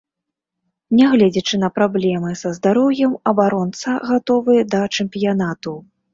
Нягледзячы на праблемы са здароўем абаронца гатовы да чэмпіянату.